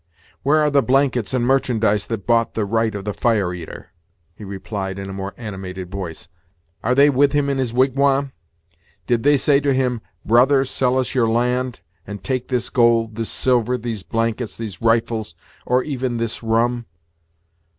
"Where are the blankets and merchandise that bought the right of the Fire eater?" he replied in a more animated voice; "are they with him in his wigwam? Did they say to him, Brother, sell us your land, and take this gold, this silver, these blankets, these rifles, or even this rum?